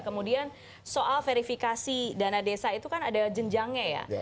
kemudian soal verifikasi dana desa itu kan ada jenjangnya ya